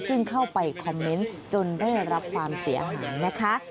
ซึ่งเข้าไปคอมเมนต์จนได้รับความเสียหายนะคะ